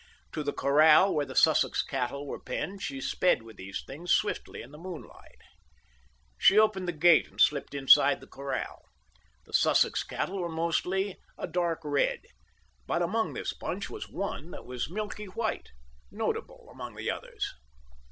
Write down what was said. To the corral where the Sussex cattle were penned she sped with these things swiftly in the moonlight. She opened the gate and slipped inside the corral. The Sussex cattle were mostly a dark red. But among this bunch was one that was milky white—notable among the others.